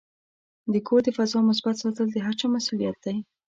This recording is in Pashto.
د کور د فضا مثبت ساتل د هر چا مسؤلیت دی.